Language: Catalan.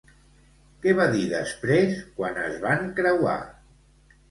Què va dir després quan es van creuar?